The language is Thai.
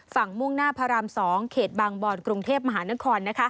มุ่งหน้าพระราม๒เขตบางบอนกรุงเทพมหานคร